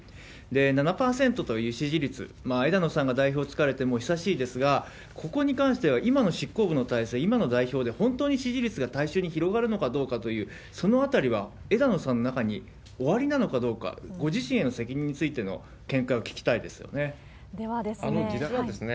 ７％という支持率、枝野さんが代表就かれて久しいですが、ここに関しては、今の執行部の体制、今の代表で本当に支持率が大衆に広がるのかどうかという、そのあたりは枝野さんの中に終わりなのかどうか、ご自身の責任についての見解を聞きたいですよね。